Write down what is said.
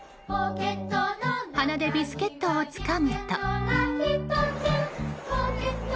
鼻でビスケットをつかむと。